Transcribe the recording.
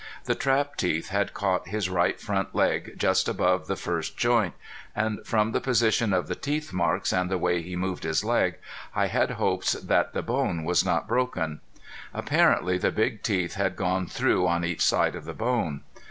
The trap teeth had caught his right front leg just above the first joint, and from the position of the teeth marks and the way he moved his leg I had hopes that the bone was not broken. Apparently the big teeth had gone through on each side of the bone.